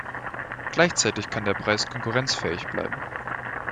Gleichzeitig kann der Preis konkurrenzfähig bleiben.